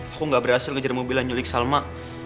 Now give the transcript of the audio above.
aku gak berhasil ngejar mobilan nyulik salma